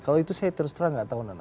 kalau itu saya terus terang gak tahu nana